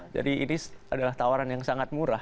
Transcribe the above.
jadi ini adalah tawaran yang sangat murah